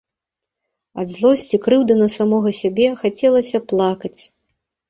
Ад злосці, крыўды на самога сябе хацелася плакаць.